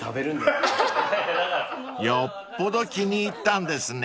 ［よっぽど気に入ったんですね］